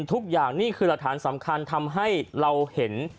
ทุกอย่างนี่คือหลักฐานสำคัญทำให้เราเห็น